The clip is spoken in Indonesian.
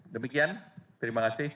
demikian terima kasih